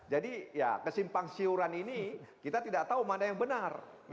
jadi kesimpang siuran ini kita tidak tahu mana yang benar